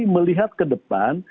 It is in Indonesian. melihat ke depan